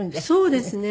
そうですね。